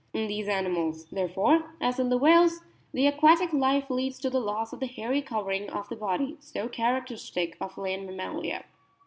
In these animals, therefore, as in the whales, the aquatic life leads to the loss of the hairy covering of the body, so characteristic of land mammalia.